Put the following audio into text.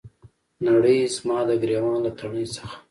نړۍ زما د ګریوان له تڼۍ څخه